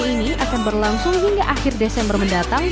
festival kali ini akan berlangsung hingga akhir desember mendatang